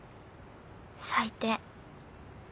最低。